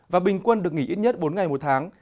và bình quân được nghỉ ít nhất bốn ngày một tháng